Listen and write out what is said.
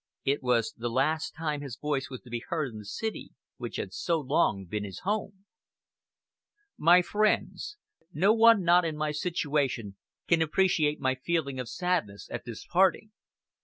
It was the last time his voice was to be heard in the city which had so long been his home: "My Friends: No one not in my situation can appreciate my feeling of sadness at this parting.